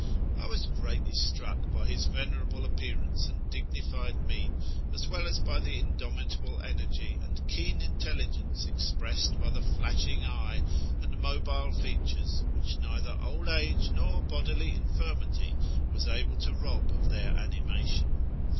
I was greatly struck by his venerable appearance and dignified mien, as well as by the indomitable energy and keen intelligence expressed by the flashing eye and mobile features, which neither old age nor bodily infirmity was able to rob of their animation.